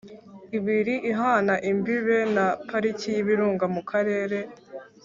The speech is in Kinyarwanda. ibiri ihana imbibe na Pariki y’ibirunga mu Karere